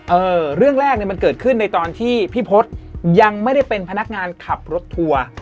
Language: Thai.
เออเรื่องแรกเนี่ยมันเกิดขึ้นในตอนที่พี่พศยังไม่ได้เป็นพนักงานขับรถทัวร์